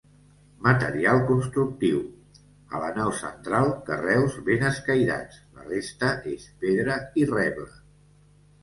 Material constructiu: a la nau central carreus ben escairats; la resta és pedra i reble.